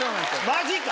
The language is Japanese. マジか！